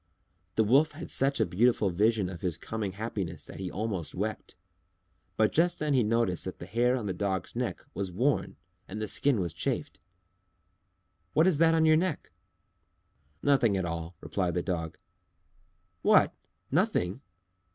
The Wolf had such a beautiful vision of his coming happiness that he almost wept. But just then he noticed that the hair on the Dog's neck was worn and the skin was chafed. "What is that on your neck?" "Nothing at all," replied the Dog. "What! nothing!"